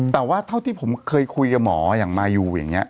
แต่ว่าเท่าที่ผมเคยคุยกับหมออย่างมายูอย่างนี้